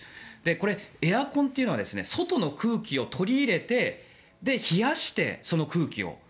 これ、エアコンというのは外に空気を取り入れて冷やして、その空気を。